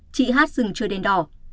chị hát dừng chờ đèn đỏ